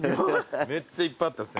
めっちゃいっぱいあった線。